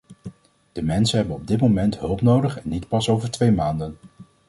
De mensen hebben op dit moment hulp nodig en niet pas over twee maanden.